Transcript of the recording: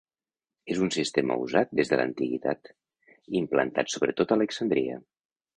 És un sistema usat des de l'antiguitat, implantat sobretot a Alexandria.